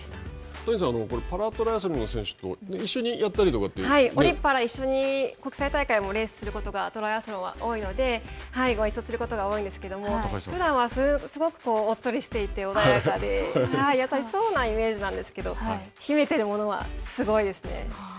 谷さん、パラトライアスロンの選手とオリ・パラ一緒に国際大会もレースすることがトライアスロンは多いので、ご一緒することが多いんですけれども、ふだんはすごくおっとりしていて、穏やかで、優しそうなイメージなんですけど、秘めているものはすごいですね。